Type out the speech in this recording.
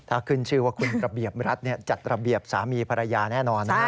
ถ้าขึ้นชื่อว่าคุณระเบียบรัฐจัดระเบียบสามีภรรยาแน่นอนนะ